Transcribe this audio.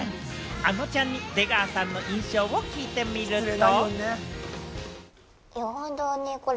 あのちゃんに出川さんの印象を聞いてみると。